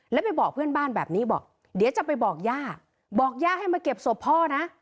แล้วไปบอกเพื่อนบ้านแบบนี้บอกเดี๋ยวจะไปบอกย่าบอกย่าให้มาเก็บศพพ่อนะ